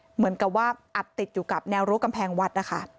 เหมือนกับว่าอัดติดอยู่กับแนวรั้วกำแพงวัดนะคะ